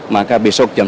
maka besok jam sembilan